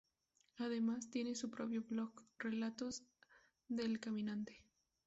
Además, tiene su propio blog, Relatos del Caminante.